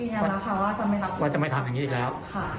ยืนยันแล้วว่าอย่าทำแบบนี้อีกแล้ว